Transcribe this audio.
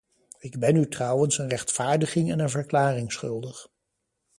Ik ben u trouwens een rechtvaardiging en een verklaring schuldig.